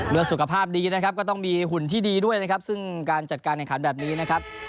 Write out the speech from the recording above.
สุขภาพดีนะครับก็ต้องมีหุ่นที่ดีด้วยนะครับซึ่งการจัดการแข่งขันแบบนี้นะครับ